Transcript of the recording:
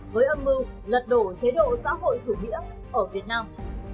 với âm mưu lật đổ chế độ xã hội chủ nghĩa ở việt nam